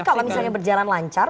tapi kalau misalnya berjalan lancar